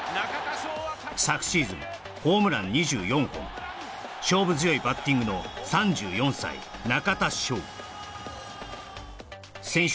昨シーズンホームラン２４本勝負強いバッティングの選手